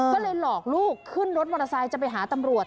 ก็เลยหลอกลูกขึ้นรถมอเตอร์ไซค์จะไปหาตำรวจ